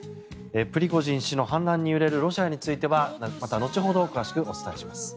プリゴジン氏の反乱に揺れるロシアについてはまた後ほど詳しくお伝えします。